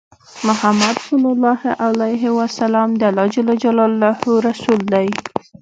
محمد صلی الله عليه وسلم د الله جل جلاله رسول دی۔